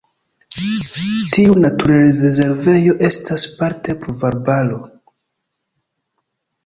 Tiu naturrezervejo estas parte pluvarbaro.